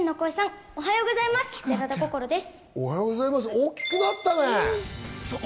大きくなったね。